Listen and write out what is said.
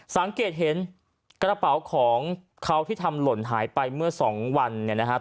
สังเกตเห็นกระเป๋าของเขาที่ทำหล่นหายไปเมื่อสองวันเนี่ยนะครับ